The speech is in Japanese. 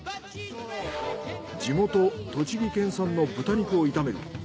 地元栃木県産の豚肉を炒める。